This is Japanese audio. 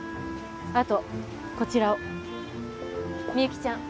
あとこちらをみゆきちゃん